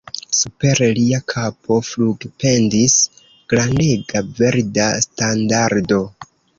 Super lia kapo flugpendis grandega verda standardo!